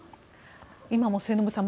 今も末延さん